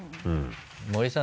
森さん